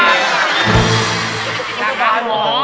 คณะกลางหมอ